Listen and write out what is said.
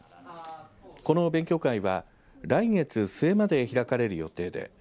この勉強会は来月末まで開かれる予定です。